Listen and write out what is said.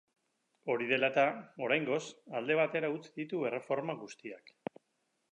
Hori dela eta, oraingoz, alde batera utzi ditu erreforma guztiak.